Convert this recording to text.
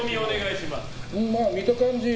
見た感じ